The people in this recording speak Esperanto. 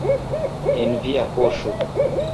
En via poŝo.